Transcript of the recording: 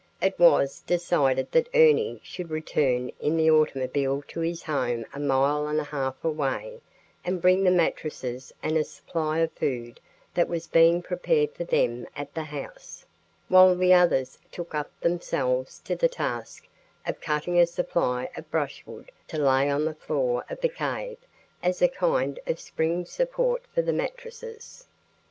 It was decided that Ernie should return in the automobile to his home a mile and a half away and bring the mattresses and a supply of food that was being prepared for them at the house, while the others took upon themselves the task of cutting a supply of brushwood to lay on the floor of the cave as a kind of spring support for the mattresses.